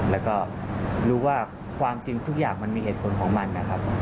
แล้วก็รู้ว่าความจริงทุกอย่างมันมีเหตุผลของมันนะครับ